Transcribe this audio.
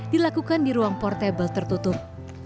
dilakukan di ruang portable tertutup